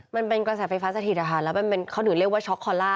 มันเป็นกระแสไฟฟ้าสถิตฐานและมันเป็นเขาถือเรียกว่าช็อคคอลล่า